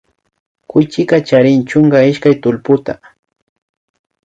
Kuychika chrin chunka ishkay tullputa